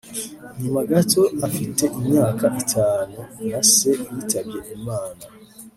nyuma gato afite imyaka itanu na se yitabye Imana